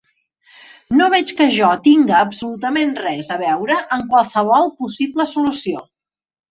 No veig que jo tinga absolutament res a veure en qualsevol possible solució.